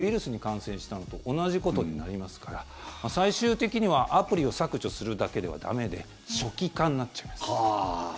もし、不正アプリを入れてしまったらパソコンがウイルスに感染したのと同じことになりますから最終的にはアプリを削除するだけでは駄目で初期化になっちゃいます。